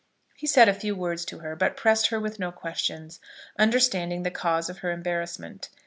He said a few words to her, but pressed her with no questions, understanding the cause of her embarrassment.